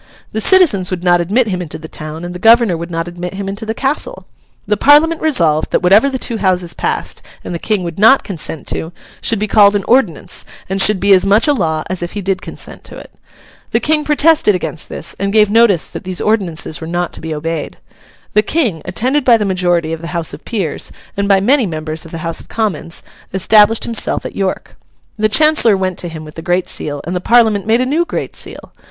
The citizens would not admit him into the town, and the governor would not admit him into the castle. The Parliament resolved that whatever the two Houses passed, and the King would not consent to, should be called an Ordinance, and should be as much a law as if he did consent to it. The King protested against this, and gave notice that these ordinances were not to be obeyed. The King, attended by the majority of the House of Peers, and by many members of the House of Commons, established himself at York. The Chancellor went to him with the Great Seal, and the Parliament made a new Great Seal.